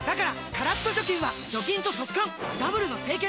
カラッと除菌は除菌と速乾ダブルの清潔！